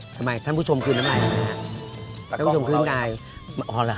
ทำไมท่านผู้ชมคืนน่ะไหมตากล้องของเราท่านผู้ชมคืนน่ะไหมรอเหรอครับ